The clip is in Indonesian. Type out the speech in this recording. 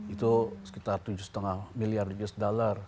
itu sekitar tujuh lima miliar usd